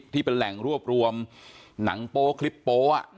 ที่เป็นแหล่งรวบรวมหนังโป๊คลิปโป๊ะ